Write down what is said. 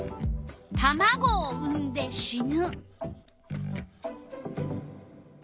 「たまごをうんで死ぬ」。